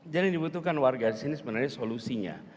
jadi yang dibutuhkan warga disini sebenarnya solusinya